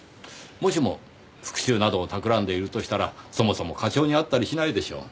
もしも復讐などをたくらんでいるとしたらそもそも課長に会ったりしないでしょう。